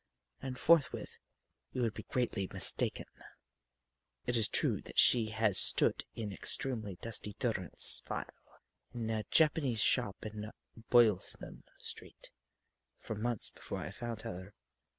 And forthwith you would be greatly mistaken. It is true that she had stood in extremely dusty durance vile, in a Japanese shop in Boylston street, for months before I found her.